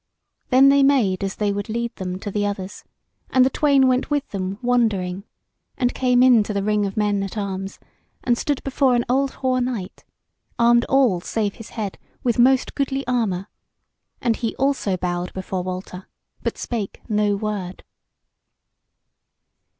Then they made as they would lead them to the others, and the twain went with them wondering, and came into the ring of men at arms, and stood before an old hoar knight, armed all, save his head, with most goodly armour, and he also bowed before Walter, but spake no word.